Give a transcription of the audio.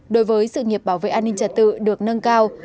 đối với sự nghiệp bảo vệ an ninh trật tự được nâng cao